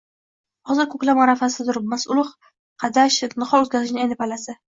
Hozir koʻklam arafasida turibmiz, urugʻ qadash, nihol oʻtqazishning ayni pallasi